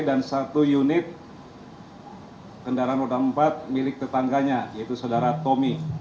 dan satu unit kendaraan roda empat milik tetangganya yaitu saudara tommy